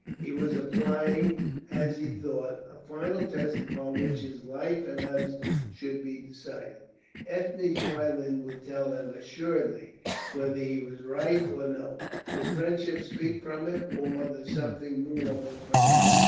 He was applying, as he thought, a final test upon which his life and hers should be decided. Ethne's violin would tell him assuredly whether he was right or no. Would friendship speak from it or the something more than friendship?